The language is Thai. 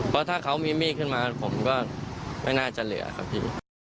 เพราะถ้าเขามีมีดขึ้นมาผมก็ไม่น่าจะเหลือครับพี่